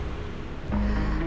tapi sekarang dia udah ada disini